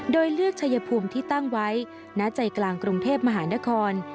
โดยเลือกชัยภูมิที่ตั้งไว้ณใจกลางกรุงเทพมหานคร